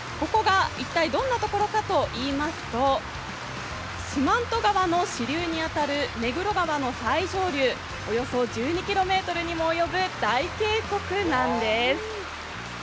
ここが一体どんな所かといいますと、四万十川の支流に当たる目黒川の最上流、およそ１２ｋｍにも及ぶ大渓谷なんです。